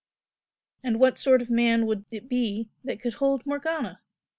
And what sort of a man would it be that could hold Morgana?